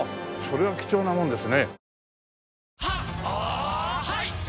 それは貴重なものですね。